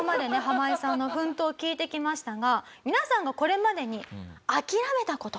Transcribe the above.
ハマイさんの奮闘聞いてきましたが皆さんがこれまでに諦めた事。